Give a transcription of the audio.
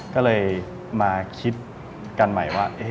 ก็เลยมาคิดกันใหม่ว่า